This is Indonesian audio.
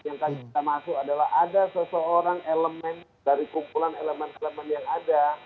yang tadi kita masuk adalah ada seseorang elemen dari kumpulan elemen elemen yang ada